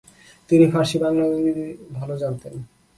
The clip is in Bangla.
তিনি ফার্সি, বাংলা ও ইংরেজি ভালো জানতেন।